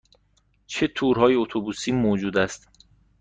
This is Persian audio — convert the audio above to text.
چه تورهای اتوبوسی موجود است؟